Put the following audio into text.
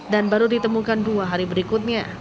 dan baru ditemukan dua hari berikutnya